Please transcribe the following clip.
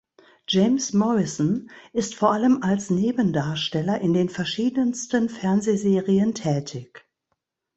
James Morrison ist vor allem als Nebendarsteller in den verschiedensten Fernsehserien tätig.